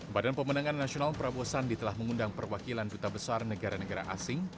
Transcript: badan pemenangan nasional prabowo sandi telah mengundang perwakilan duta besar negara negara asing